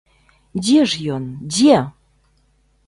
Дзе ж ён, дзе!